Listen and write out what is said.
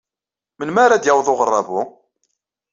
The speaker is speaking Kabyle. Melmi ara d-yaweḍ uɣerrabu?